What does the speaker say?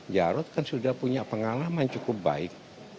jarod kan sudah punya pengalaman cukup baik